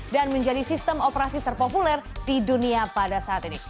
dan menjadi sistem operasi terpopuler di dunia pada saat ini